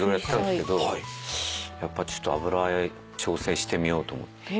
やっぱちょっと油絵挑戦してみようと思って。